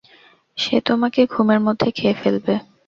সে তোমাকে ঘুমের মধ্যে খেয়ে ফেলবে।